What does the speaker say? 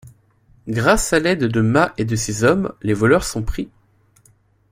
Grâce à l'aide de Ma et de ses hommes, les voleurs sont pris.